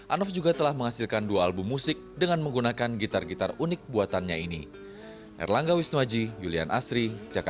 anof juga telah menghasilkan dua album musik dengan menggunakan gitar gitar unik buatannya ini